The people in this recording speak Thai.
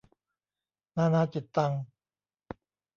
นานาจิตตัง